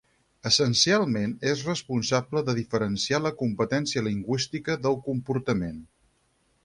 Essencialment, és responsable de diferenciar la competència lingüística del comportament.